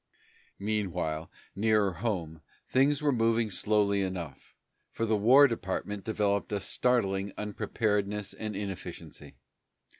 Meanwhile, nearer home, things were moving slowly enough, for the War Department developed a startling unpreparedness and inefficiency.